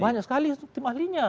banyak sekali tim ahlinya